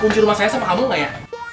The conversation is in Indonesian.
kunci rumah saya sama kamu gak ya